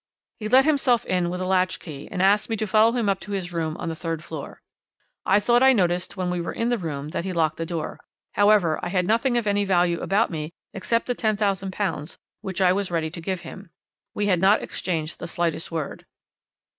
He let himself in with a latch key, and asked me to follow him up to his room on the third floor. I thought I noticed when we were in the room that he locked the door; however, I had nothing of any value about me except the £10,000, which I was ready to give him. We had not exchanged the slightest word.